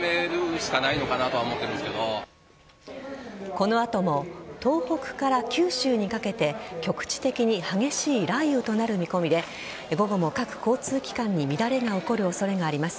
この後も東北から九州にかけて局地的に激しい雷雨となる見込みで午後も、各交通機関に乱れが起こる恐れがあります。